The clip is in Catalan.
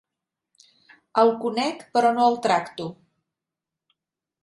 El conec, però no el tracto.